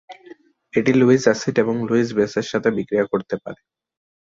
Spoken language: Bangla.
এটি লুইস এসিড এবং লুইস বেসের সাথে বিক্রিয়া করতে পারে।